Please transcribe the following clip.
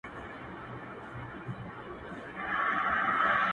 له حیا له حُسنه جوړه ترانه یې,